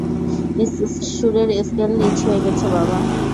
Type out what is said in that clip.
সুরের স্কেল নিচ হয়ে গেছে, বাবা।